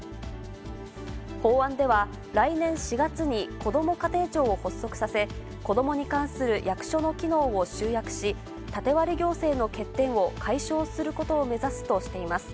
法案では、来年４月にこども家庭庁を発足させ、子どもに関する役所の機能を集約し、縦割り行政の欠点を解消することを目指すとしています。